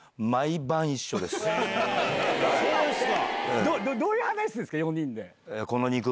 そうですか！